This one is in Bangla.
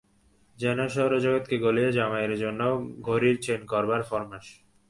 যেন সৌরজগৎকে গলিয়ে জামাইয়ের জন্যে ঘড়ির চেন করবার ফর্মাশ।